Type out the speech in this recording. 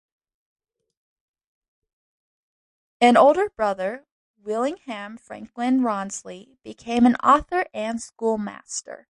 An older brother, Willingham Franklin Rawnsley, became an author and schoolmaster.